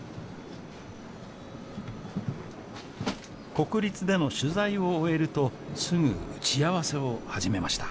国立での取材を終えるとすぐ打ち合わせを始めました